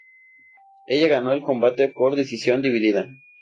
Ella ganó el combate por decisión dividida.